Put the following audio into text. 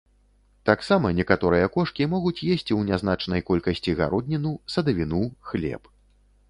Таксама некаторыя кошкі могуць есці ў нязначнай колькасці гародніну, садавіну, хлеб.